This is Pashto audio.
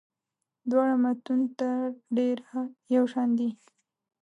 دواړه متون تر ډېره یو شان دي.